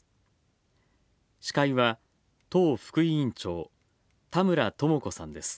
司会は、党副委員長田村智子さんです。